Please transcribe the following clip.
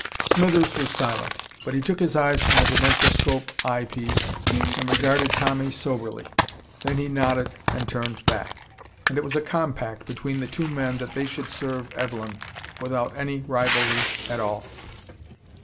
Smithers was silent. But he took his eyes from the dimensoscope eye piece and regarded Tommy soberly. Then he nodded and turned back. And it was a compact between the two men that they should serve Evelyn, without any rivalry at all.